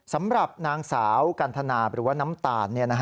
สำหรับนางสาวกันทนาหรือว่าน้ำตาล